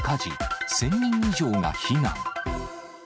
１０００人以上が避難。